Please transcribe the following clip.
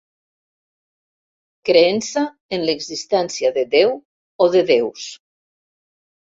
Creença en l'existència de Déu o de déus.